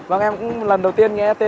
ống xả là ở bên nào